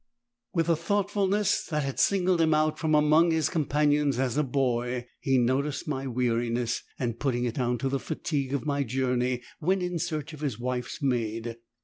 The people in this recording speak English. With a thoughtfulness that had singled him out from among his companions as a boy, he noticed my weariness, and putting it down to the fatigue of my journey went in search of his wife's maid.